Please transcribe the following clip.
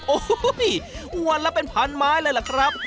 โอ้โหวันละเป็นพันไม้เลยล่ะครับ